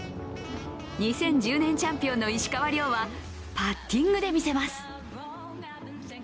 ２０１０年チャンピオンの石川遼はパッティングで見せます。